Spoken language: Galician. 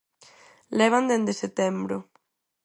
Levan dende setembro.